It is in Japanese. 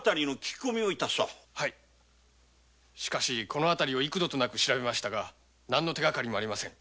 この辺りを幾度となく調べましたがなんの手がかりもありません。